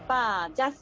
ジャス。